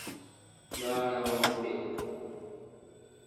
باڑ اؘ وحت بیل۔